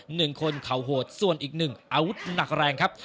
หนึ่งคนเขาโหดส่วนอีกหนึ่งอาวุธหนักแรงครับ